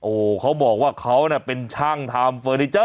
โอ้โหเขาบอกว่าเขาน่ะเป็นช่างทำเฟอร์นิเจอร์